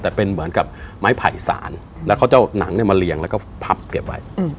แต่เป็นเหมือนกับไม้ไผ่สารแล้วเขาจะเอาหนังเนี่ยมาเรียงแล้วก็พับเก็บไว้